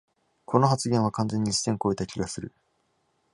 この発言は完全に一線こえた気がする